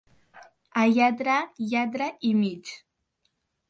A lladre, lladre i mig.